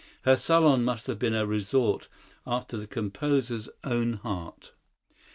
Her salon must have been a resort after the composer's own heart.